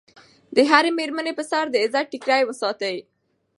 د هرې مېرمنې په سر د عزت ټیکری وساتئ.